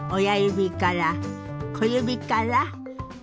親指から小指から。